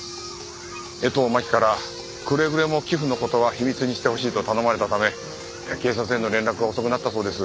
江藤真紀からくれぐれも寄付の事は秘密にしてほしいと頼まれたため警察への連絡が遅くなったそうです。